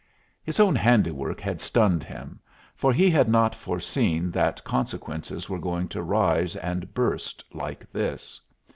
His own handiwork had stunned him, for he had not foreseen that consequences were going to rise and burst like this.